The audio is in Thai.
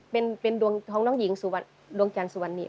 เป็นดวงของน้องหญิงดวงจันทร์สุวรรณี